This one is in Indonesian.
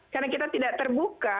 karena kita tidak terbuka